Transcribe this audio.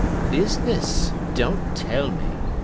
Business. Don't tell me!